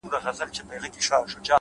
لوړ همت ستړې لارې رڼوي.!